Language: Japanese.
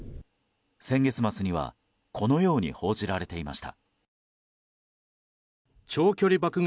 先月末にはこのように報じられていました。